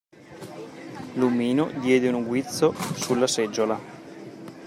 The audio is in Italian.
L'omino diede un guizzo sulla seggiola.